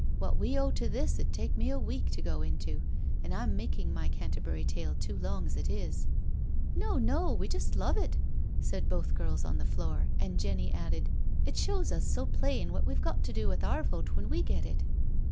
What we owe to this 'ud take me a week to go into, and I'm making my Canterbury tale too long as it is •• 19. ... "No, no; we just love it," said both girls on the floor and Jenny added: " It shows us so plain what we've got to do with our vote when we get it."